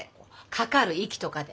かかる息とかで。